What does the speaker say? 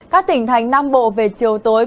các tỉnh thành nam bộ về chiều tối